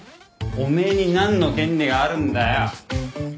お前になんの権利があるんだよ？